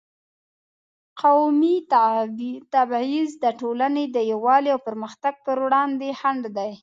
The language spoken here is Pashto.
قومي تبعیض د ټولنې د یووالي او پرمختګ پر وړاندې خنډ دی.